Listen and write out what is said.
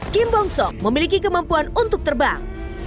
kim bong sok memiliki kemampuan untuk terbang